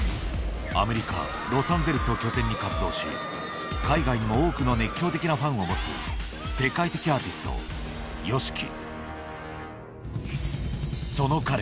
アメリカに活動し海外にも多くの熱狂的なファンを持つ世界的アーティストＹＯＳＨＩＫＩ